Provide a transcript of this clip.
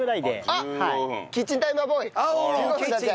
あっキッチンタイマーボーイ１５分だって。